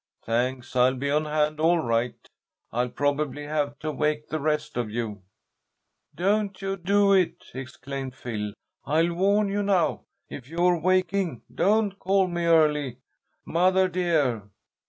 "Thanks. I'll be on hand all right. I'll probably have to wake the rest of you." "Don't you do it!" exclaimed Phil. "I'll warn you now, if you're waking, don't call me early, mother, dear.